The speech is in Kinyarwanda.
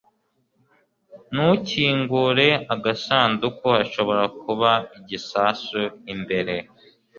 Ntukingure agasanduku. Hashobora kuba igisasu imbere.